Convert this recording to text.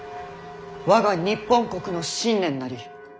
我が日本国の新年なり。